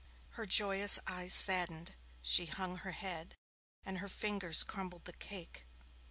Her joyous eyes saddened, she hung her head, and her fingers crumbled the cake.